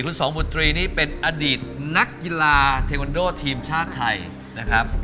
คุณสองบุตรีนี่เป็นอดีตนักกีฬาเทควันโดทีมชาติไทยนะครับ